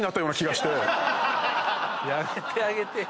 やめてあげてよ。